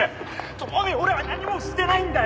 朋美俺は何もしてないんだよ！